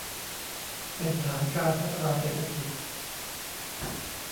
เป็นฐานการพัฒนาเศรษฐกิจ